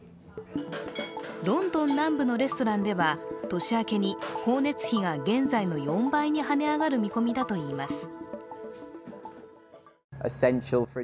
ロンドン南部のレストランでは年明けに光熱費が現在の４倍に跳ね上がる見込みだといいます。